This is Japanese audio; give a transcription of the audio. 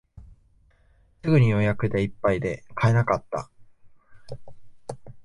すぐに予約でいっぱいで買えなかった